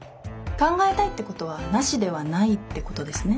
考えたいってことはナシではないってことですね？